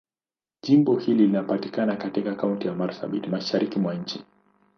Jimbo hili linapatikana katika Kaunti ya Marsabit, Mashariki mwa nchi.